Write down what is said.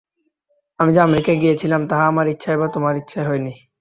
আমি যে আমেরিকায় গিয়াছিলাম, তাহা আমার ইচ্ছায় বা তোমাদের ইচ্ছায় হয় নাই।